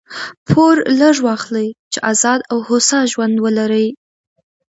پور لږ واخلئ! چي آزاد او هوسا ژوند ولرئ.